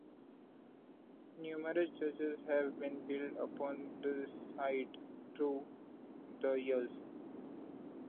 Numerous churches have been built upon this site through the years.